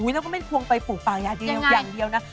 อุ๊ยแล้วก็ไม่ควรไปปลูกป่าอย่างเดียวนะ